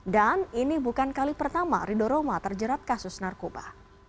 dan ini bukan kali pertama rido roma terjerat kasus narkoba